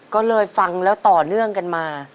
ก็เลยฟังแล้วต่อเนื่องกันมา